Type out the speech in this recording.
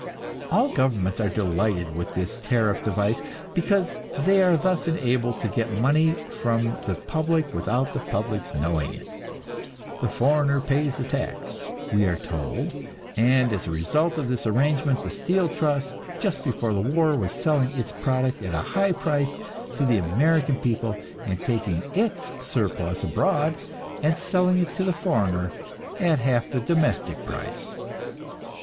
All governments are delighted with this tariff device, because they are thus enabled to get money from the public without the public's knowing it. "The foreigner pays the tax," we are told, and as a result of this arrangement the steel trust just before the war was selling its product at a high price to the American people, and taking its surplus abroad and selling it to the foreigner at half the domestic price.